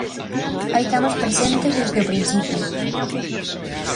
Hai temas presentes desde o principio.